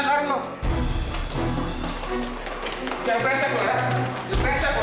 jangan brengsek lu